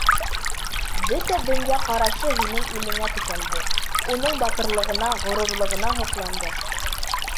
Бөтә донъя ҡарашы һинең илеңә текәлде, уның батырлығына, ғорурлығына һоҡланды.